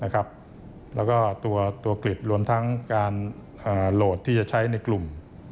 แล้วก็ตัวกริดรวมทั้งการโหลดที่จะใช้ในกลุ่ม